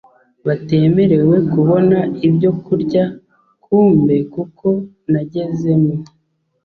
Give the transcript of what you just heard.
batemerewe kubona ibyo kurya kumbe kuko nageze mo